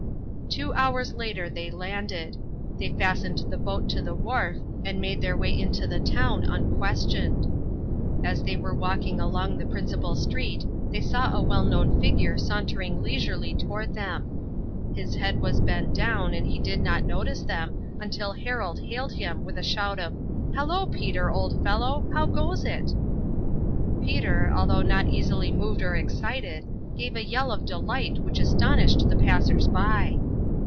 Two hours later they landed. They fastened the boat to the wharf and made their way into the town unquestioned. As they were walking along the principal street they saw a well known figure sauntering leisurely toward them. His head was bent down and he did not notice, them until Harold hailed him with a shout of "Halloo, Peter, old fellow! How goes it?" Peter, although not easily moved or excited, gave a yell of delight which astonished the passers by.